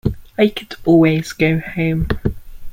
I could always go home.